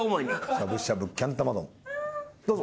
しゃぶしゃぶキャン玉丼どうぞ。